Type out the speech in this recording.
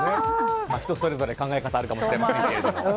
人それぞれ考え方はあるかもしれません。